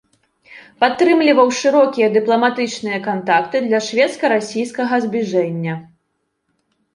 Падтрымліваў шырокія дыпламатычныя кантакты для шведска-расійскага збліжэння.